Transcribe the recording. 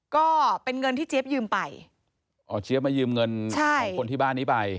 ก็เป็นเงินที่เจี๊ยบยืมไปอ๋อเจี๊ยบมายืมเงินใช่ของคนที่บ้านนี้ไป